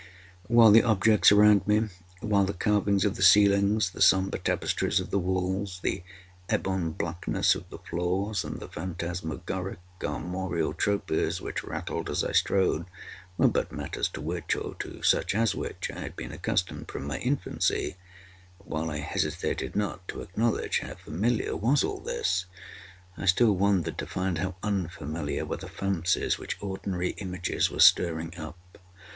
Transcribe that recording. While the objects around me—while the carvings of the ceilings, the sombre tapestries of the walls, the ebon blackness of the floors, and the phantasmagoric armorial trophies which rattled as I strode, were but matters to which, or to such as which, I had been accustomed from my infancy—while I hesitated not to acknowledge how familiar was all this—I still wondered to find how unfamiliar were the fancies which ordinary images were stirring up.